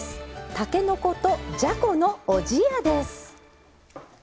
たけのことじゃこのおじやです。